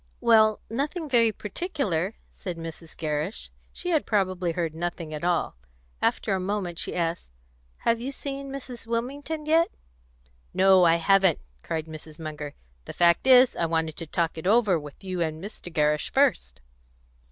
"Well, nothing very particular," said Mrs. Gerrish; she had probably heard nothing at all. After a moment she asked, "Have you seen Mrs. Wilmington yet?" "No, I haven't," cried Mrs. Munger. "The fact is, I wanted to talk it over with you and Mr. Gerrish first."